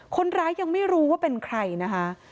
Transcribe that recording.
คนร้ายยังไม่รู้ว่าเป็นใครนะคะ